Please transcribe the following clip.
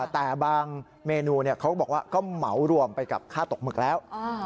แต่บางเมนูเขาก็บอกว่าก็เหมารวมไปกับค่าตกหมึกแล้ว